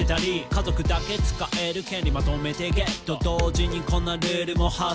「家族だけ使える権利まとめてゲット」「同時にこんなルールも発生」